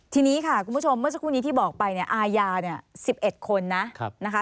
ทีนี้ค่ะคุณผู้ชมเมื่อสักครู่นี้ที่บอกไปอายา๑๑คนนะ